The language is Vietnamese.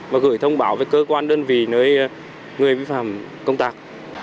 và gửi thông báo với cơ quan đơn vị nơi người vi phạm công tác